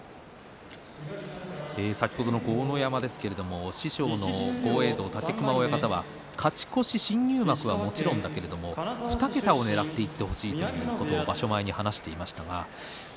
先ほどの豪ノ山ですが師匠の豪栄道、武隈親方は勝ち越し新入幕はもちろんだけれども２桁をねらっていってほしいと場所前に話していました。